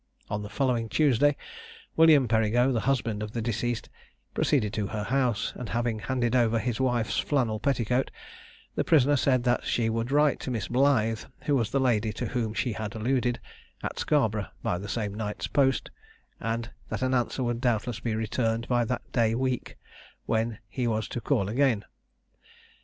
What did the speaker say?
On the following Tuesday William Perigo, the husband of the deceased, proceeded to her house, and having handed over his wife's flannel petticoat, the prisoner said that she would write to Miss Blythe, who was the lady to whom she had alluded, at Scarborough, by the same night's post, and that an answer would doubtless be returned by that day week, when he was to call again.